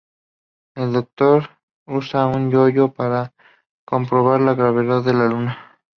El Doctor usa un yo-yo para comprobar la gravedad de la Luna.